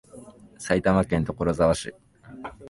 埼玉県所沢市